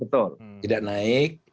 tidak naik betul